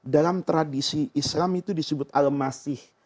dalam tradisi islam itu disebut al masih